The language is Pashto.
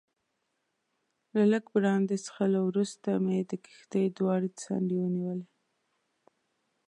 له لږ برانډي څښلو وروسته مې د کښتۍ دواړې څنډې ونیولې.